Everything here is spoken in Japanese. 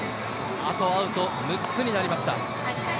あとアウト６つになりました。